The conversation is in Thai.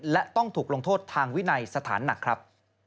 และต้องถูกลงโทษทางวินัยสถานหนักครับ